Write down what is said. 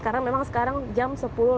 karena memang sekarang jam sepuluh lima belas